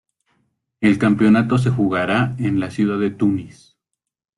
El campeonato se jugará en la ciudad de Tunis.